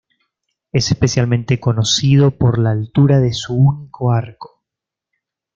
Es especialmente conocido por la altura de su único arco.